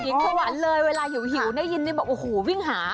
กินขวัญเลยเวลาหิวได้ยินบอกโอ้โฮวิ่งหา